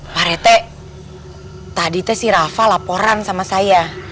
parete tadi itu sih rafa laporan sama saya